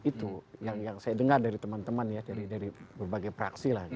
itu yang saya dengar dari teman teman ya dari berbagai praksi lah